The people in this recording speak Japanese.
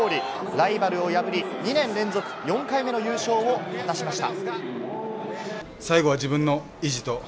ライバルを破り、２年連続４回目の優勝を果たしました。